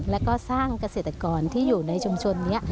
แล้วก็สร้างเกษตรกรที่อยู่ในชุมชนนี้